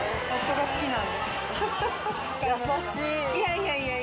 いやいや。